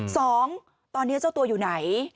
สองตอนนี้เจ้าตัวอยู่ไหน